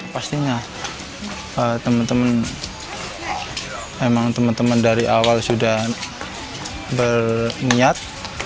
pastinya teman teman dari awal sudah berniat